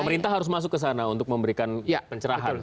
pemerintah harus masuk ke sana untuk memberikan pencerahan